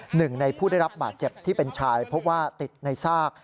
หนึ่งในผู้ได้รับบาดเจ็บที่เป็นชายพบว่าติดในซาก